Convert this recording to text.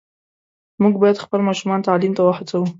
موږ باید خپل ماشومان تعلیم ته وهڅوو.